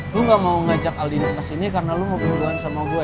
lo gak mau ngajak albino kesini karena lo mau berduaan sama gue